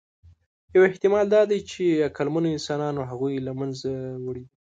یو احتمال دا دی، چې عقلمنو انسانانو هغوی له منځه وړي دي.